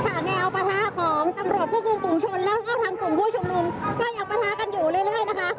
ข้างแนวประทาของตำรวจควบคุมภูมิชนและทางกลุ่มผู้ชมนมก็ยังประทากันอยู่เรื่อยนะคะ